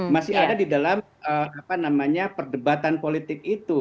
masih ada di dalam perdebatan politik itu